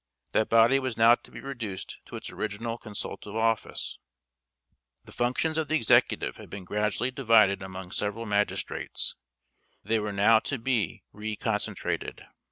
That body was now to be reduced to its original consultative office. The functions of the executive had been gradually divided among several magistrates. They were now to be re concentrated.